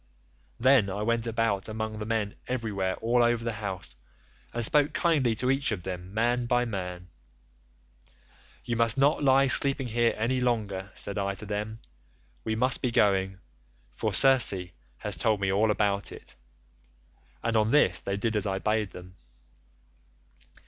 Then I went about among the men everywhere all over the house, and spoke kindly to each of them man by man: 'You must not lie sleeping here any longer,' said I to them, 'we must be going, for Circe has told me all about it.' And on this they did as I bade them.